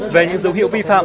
về những dấu hiệu vi phạm